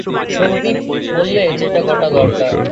সন্দীপ বললে, যেটা ঘটা দরকার।